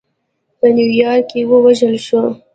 په نیویارک کې ووژل شو.